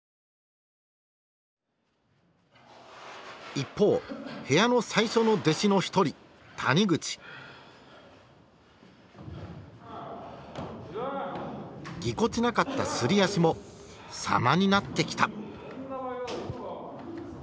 一方部屋の最初の弟子の一人ぎこちなかったすり足も様になってきた。